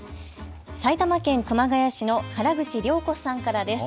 埼玉県熊谷市の原口良子さんからです。